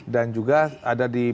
dan juga ada di negara